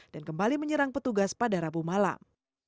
dan kembali menyerang petugas pada rabu malam